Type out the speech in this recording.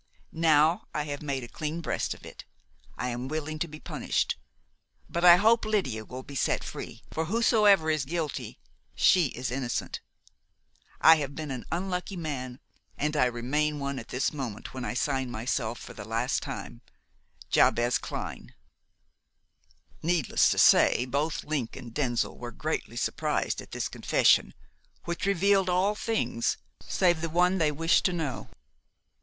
Now I have made a clean breast of it I am willing to be punished; but I hope Lydia will be set free, for whosoever is guilty, she is innocent. I have been an unlucky man, and I remain one at this moment when I sign myself for the last time, JABEZ CLYNE." Needless to say, both Link and Denzil were greatly surprised at this confession, which revealed all things save the one they wished to know.